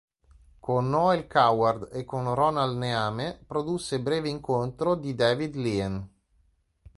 Con Noel Coward e con Ronald Neame, produsse "Breve incontro" di David Lean.